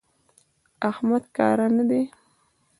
احمد کاره نه دی.